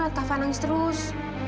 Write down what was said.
lihat kafa nangis terus